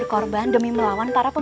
raden kau tidak apa apa